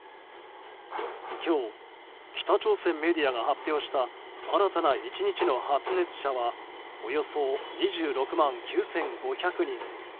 今日北朝鮮メディアが発表した新たな１日の発熱者はおよそ２６万９５００人。